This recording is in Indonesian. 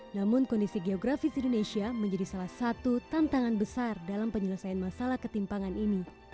namun kondisi geografis indonesia menjadi salah satu tantangan besar dalam penyelesaian masalah ketimpangan ini